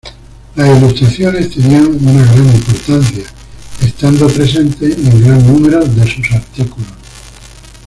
Las ilustraciones tenían una gran importancia, estando presentes en gran número de sus artículos.